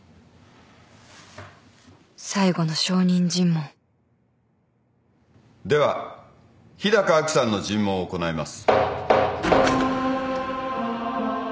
最後の証人尋問では日高亜紀さんの尋問を行います。